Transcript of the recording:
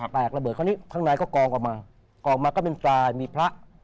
ระเบิดคราวนี้ข้างในก็กองออกมากองมาก็เป็นทรายมีพระ